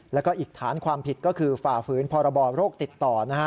แล้วก็อีกฐานความผิดก็คือฝ่าฝืนพรบโรคติดต่อนะฮะ